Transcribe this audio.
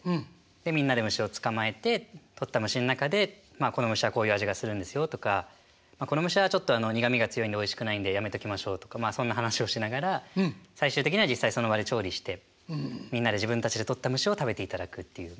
でみんなで虫を捕まえて捕った虫の中でまあこの虫はこういう味がするんですよとかこの虫はちょっと苦みが強いのでおいしくないんでやめときましょうとかまあそんな話をしながら最終的には実際その場で調理してみんなで自分たちで捕った虫を食べていただくっていう。